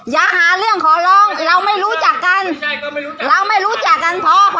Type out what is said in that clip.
อย่าหาเรื่องขอร้องเราไม่รู้จักกันเราไม่รู้จักกันพอ